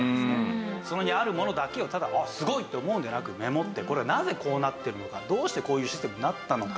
それにあるものだけをただすごいと思うんでなくメモってこれはなぜこうなってるのかどうしてこういうシステムになったのか。